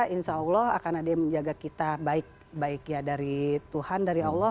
insya allah akan ada yang menjaga kita baik baik ya dari tuhan dari allah